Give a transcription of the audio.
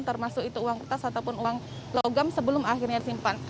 termasuk itu uang kertas ataupun uang logam sebelum akhirnya disimpan